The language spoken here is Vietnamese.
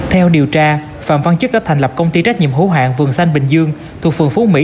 theo điều tra phạm văn chức đã thành lập công ty trách nhiệm hữu hạng vườn xanh bình dương thuộc phường phú mỹ